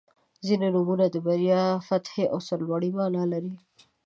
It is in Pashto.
• ځینې نومونه د بریا، فتحې او سرلوړۍ معنا لري.